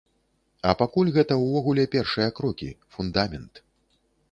А пакуль гэта ўвогуле першыя крокі, фундамент.